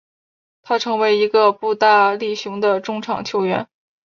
他成为一个步大力雄的中场球员。